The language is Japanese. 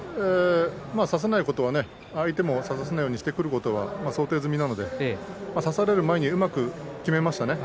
差せないことは相手も差させないようにしてくることは想定済みなので差される前にうまくきめましたね。